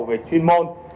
về chuyên môn